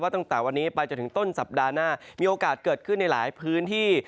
ตั้งแต่วันนี้ไปจนถึงต้นสัปดาห์หน้ามีโอกาสเกิดขึ้นในหลายพื้นที่